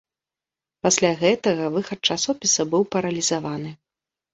Пасля гэтага выхад часопіса быў паралізаваны.